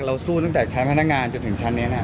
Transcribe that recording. สู้ตั้งแต่ชั้นพนักงานจนถึงชั้นนี้